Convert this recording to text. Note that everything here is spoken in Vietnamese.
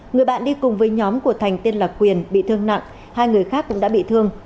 người bạn đi cùng với nhóm của thành tên là quyền bị thương nặng hai người khác cũng đã bị thương